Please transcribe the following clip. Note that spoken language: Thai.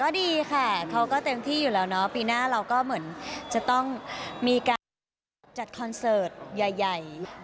ก็ดีค่ะเขาก็เต็มที่อยู่แล้วเนาะปีหน้าเราก็เหมือนจะต้องมีการจัดคอนเสิร์ตใหญ่